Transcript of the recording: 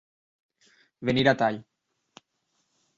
Venir a tall.